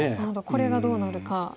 これがどうなるか。